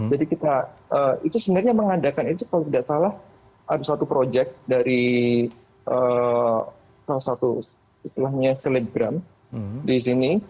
jadi kita itu sebenarnya mengadakan itu kalau tidak salah ada satu proyek dari salah satu istilahnya seliggram di sini